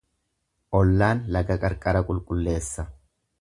Ollaan laga qarqara qulqulleessa.